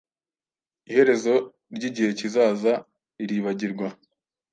Iherezo ryigihe kizaza riribagirwa